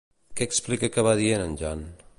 Què explica que va dient en Jan?